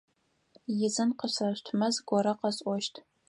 Ӏизын къысэшъутмэ, зыгорэ къэсӀощт.